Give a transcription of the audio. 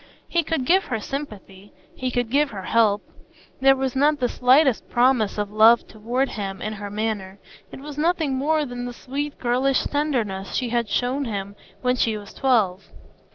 He could give her sympathy; he could give her help. There was not the slightest promise of love toward him in her manner; it was nothing more than the sweet girlish tenderness she had shown him when she was twelve.